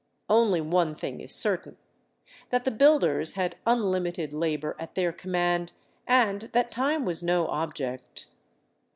Only one thing is certain; that the builders had unlimited labor at their command and that time was no object.